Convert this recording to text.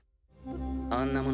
あんなもの